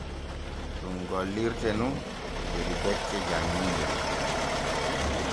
Ɗum gollirte nun der becce janŋinol f́́́́́́́.